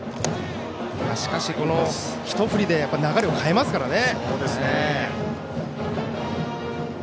しかし、一振りで流れを変えますからね。